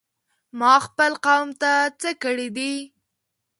ما خپل قوم ته څه کړي دي؟!